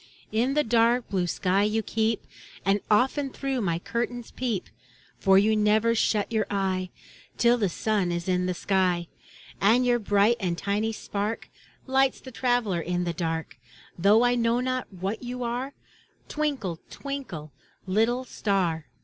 In the dark blue sky you keep, And often through my curtains peep. For you never shut your eye Till the sun is in the sky. And your bright and tiny spark Lights the traveler in the dark; Though I know not what you are, Twinkle, twinkle, little star.